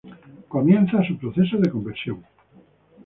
Comienza su proceso de conversión.